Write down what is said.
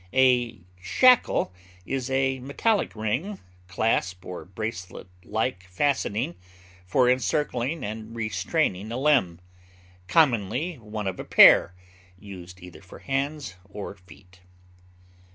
A shackle is a metallic ring, clasp, or bracelet like fastening for encircling and restraining a limb: commonly one of a pair, used either for hands or feet.